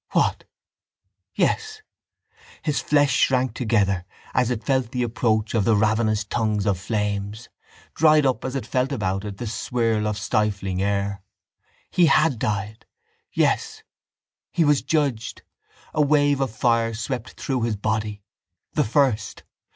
What? Yes? His flesh shrank together as it felt the approach of the ravenous tongues of flames, dried up as it felt about it the swirl of stifling air. He had died. Yes. He was judged. A wave of fire swept through his body: the first.